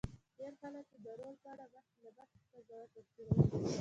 ډېر خلک یې د رول په اړه مخکې له مخکې قضاوت انځوروي.